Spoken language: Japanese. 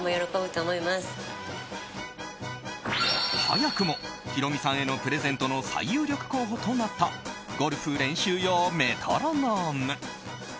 早くもヒロミさんへのプレゼントの最有力候補となったゴルフ練習用メトロノーム。